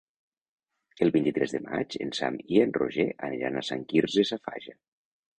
El vint-i-tres de maig en Sam i en Roger aniran a Sant Quirze Safaja.